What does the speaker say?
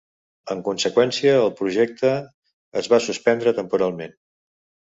En conseqüència, el projecte es va suspendre temporalment.